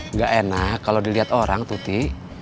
nggak enak kalau dilihat orang tuti